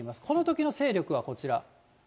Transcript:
このときの勢力はこちら。